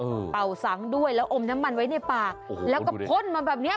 เป่าสังด้วยแล้วอมน้ำมันไว้ในปากแล้วก็พ่นมาแบบเนี้ย